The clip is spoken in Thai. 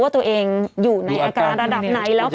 จากที่ตอนแรกอยู่ที่๑๐กว่าศพแล้ว